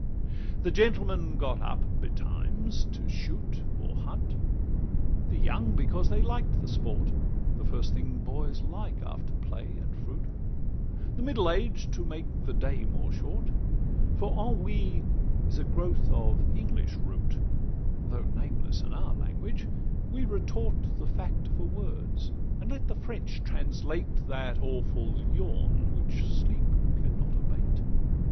CI The gentlemen got up betimes to shoot, Or hunt: the young, because they liked the sport The first thing boys like after play and fruit; The middle aged to make the day more short; For ennui is a growth of English root, Though nameless in our language: we retort The fact for words, and let the French translate That awful yawn which sleep can not abate.